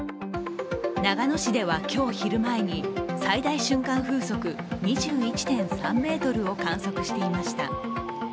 長野市では今日、昼前に最大瞬間風速２１．３メートルを観測していました。